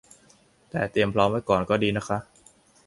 แต่เตรียมพร้อมไว้ก่อนก็ดีนะคะ